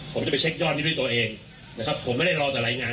ผมจะไปเช็คยอดนี้ด้วยตัวเองนะครับผมไม่ได้รอแต่รายงาน